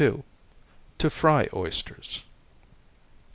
_To Fry Oysters.